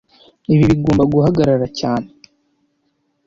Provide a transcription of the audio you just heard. Ibi bigomba guhagarara cyane